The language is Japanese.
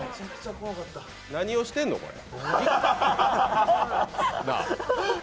何をしてんの、これ。